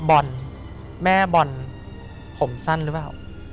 บอลแม่บอลผมสั้นหรือเปล่า